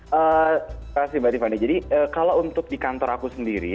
terima kasih mbak tiffany jadi kalau untuk di kantor aku sendiri